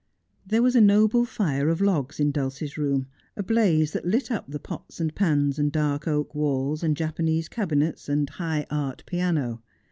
There was a noble fire of logs in Dulcie's room, a blaze that lit up the pots and pans and dark oak walls, and Japanese cabinets, and high art piano.